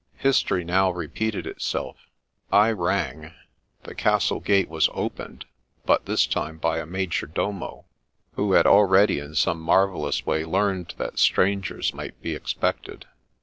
History now repeated itself. I rang; the castle gate was opened, but this time by a major domo, who had already in some marvellous way learned that strangers might be expected.